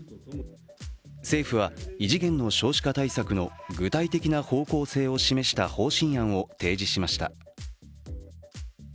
政府は異次元の少子化対策の具体的な方向性を示した方針案を提示しました。